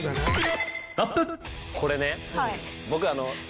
これね僕。